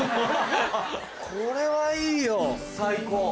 これはいいよ最高。